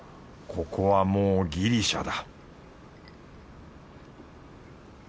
ここはもうギリシャだ